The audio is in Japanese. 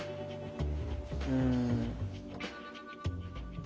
うん。